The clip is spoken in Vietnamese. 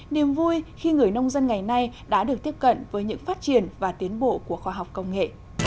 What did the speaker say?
niềm vui khi người nông dân ngày nay đã được tiếp cận với những phát triển và tiến bộ của khoa học công nghệ